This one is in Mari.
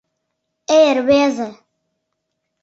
«Эй, рвезе!